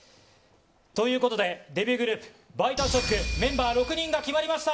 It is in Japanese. ということで、デビューグループ、ＢｉＴＥＡＳＨＯＣＫ、メンバー６人が決まりました。